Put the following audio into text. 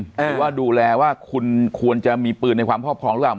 หรือว่าดูแลว่าคุณควรจะมีปืนในความครอบครองหรือเปล่า